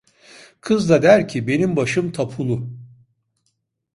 Kız da der ki benim başım tapulu.